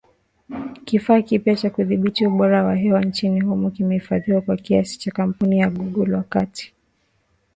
Kifaa kipya cha kudhibiti ubora wa hewa nchini humo kimefadhiliwa kwa kiasi na kampuni ya Google, wakati kikitumia sensa ya aina fulani.